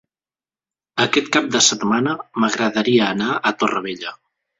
Aquest cap de setmana m'agradaria anar a Torrevella.